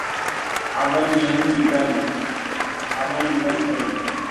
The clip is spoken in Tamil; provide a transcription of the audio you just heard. அவன் இவன் எவன்